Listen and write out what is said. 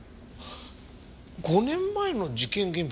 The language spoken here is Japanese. ５年前の事件現場に？